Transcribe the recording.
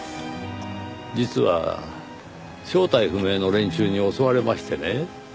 実は正体不明の連中に襲われましてねぇ。